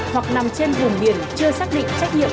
hoặc nằm trên vùng biển chưa xác định trách nhiệm